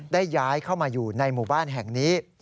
ได้ย้ายเข้ามาอยู่ในหมู่บ้านแห่งนี้